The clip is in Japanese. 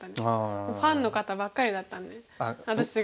ファンの方ばっかりだったんで私が。